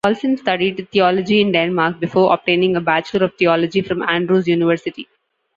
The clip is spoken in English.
Paulsen studied theology in Denmark before obtaining a Bachelor of Theology from Andrews University.